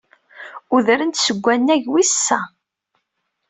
Udren-d seg wannag wis sa.